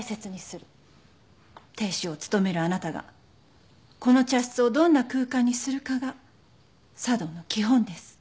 亭主を務めるあなたがこの茶室をどんな空間にするかが茶道の基本です。